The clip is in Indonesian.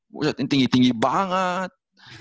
pusat ini tinggi tinggi banget